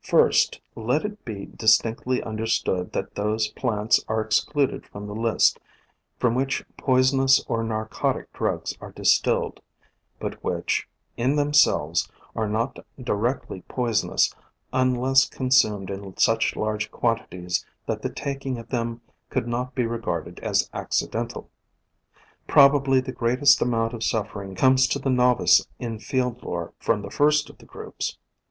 First, let it be distinctly understood that those plants are excluded from the list from which poi sonous or narcotic drugs are distilled, but which, in POISONOUS PLANTS l6l themselves, are not directly poisonous unless con sumed in such large quantities that the taking of them could not be regarded as accidental. Prob ably the greatest amount of suffering comes to the novice in field lore from the first of the groups.